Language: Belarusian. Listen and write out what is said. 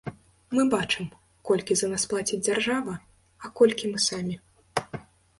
Мы бачым, колькі за нас плаціць дзяржава, а колькі мы самі.